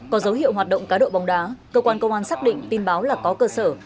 có dấu hiệu hoạt động cá độ bóng đá cơ quan công an xác định tin báo là có cơ sở